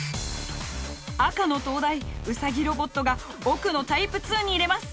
赤の東大ウサギロボットが奥のタイプ２に入れます。